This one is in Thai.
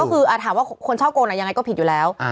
มคือหาว่าขนชาติโกนอย่างไรก็ผิดอยู่แล้ว